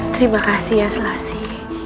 terima kasih ya selasi